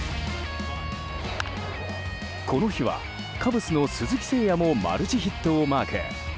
この日はカブスの鈴木誠也もマルチヒットをマーク。